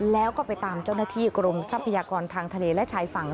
แล้วก็ไปตามเจ้าหน้าที่กรมทรัพยากรทางทะเลและชายฝั่ง